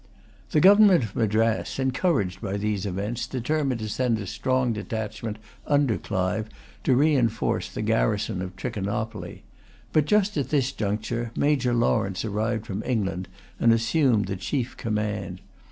The government of Madras, encouraged by these events, determined to send a strong detachment, under Clive, to reinforce the garrison of Trichinopoly. But just at this conjuncture, Major Lawrence arrived from England, and assumed the chief command.